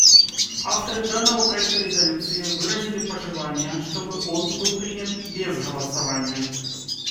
Авторы данного проекта резолюции выразили пожелание, чтобы он был принят без голосования.